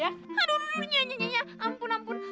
aduh aduh nyanya nyanya ampun ampun